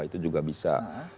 itu juga bisa